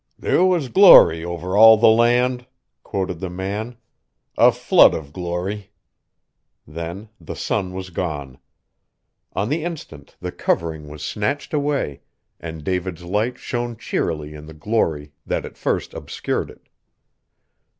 "There was glory over all the land," quoted the man, "a flood of glory." Then the sun was gone! On the instant the covering was snatched away, and David's Light shone cheerily in the glory that at first obscured it.